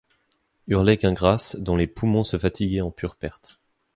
hurlait Gingrass, dont les » poumons se fatiguaient en pure perte.